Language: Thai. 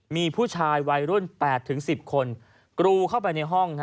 มีผู้ชายวัยรุ่น๘๑๐คนกรูเข้าไปในห้อง